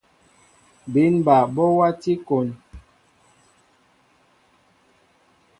Bín ɓal ɓɔ wati kón.